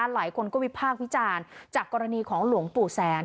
หลายคนก็วิพากษ์วิจารณ์จากกรณีของหลวงปู่แสน